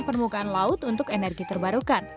permukaan laut untuk energi terbarukan